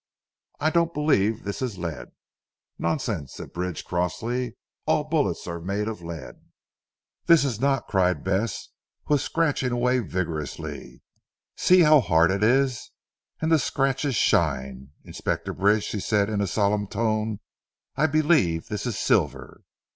I don't believe this is lead." "Nonsense," said Bridge crossly, "all bullets are made of lead." "This is not," cried Bess who was scratching away vigorously. "See how hard it is. And the scratches shine. Inspector Bridge," she said in a solemn tone, "I believe this is silver."